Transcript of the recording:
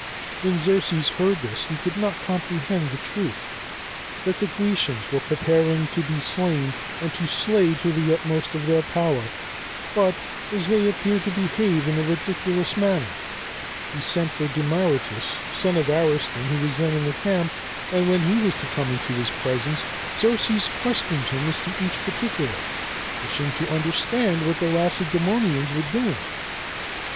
When Xerxes heard this, he could not comprehend the truth that the Grecians were preparing to be slain and to slay to the utmost of their power; but, as they appeared to behave in a ridiculous manner, he sent for Demaratus, son of Ariston, who was then in the camp, and when he was come into his presence Xerxes questioned him as to each particular, wishing to understand what the Lacedæmonians were doing.